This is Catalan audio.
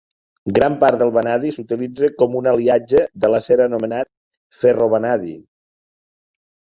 Gran part del vanadi s'utilitza com un aliatge de l'acer anomena ferrovanadi.